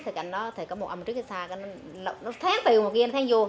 thì cạnh đó có một ống trước cái xa nó tháng từ một kia nó tháng vô